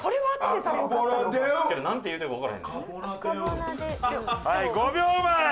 はい５秒前。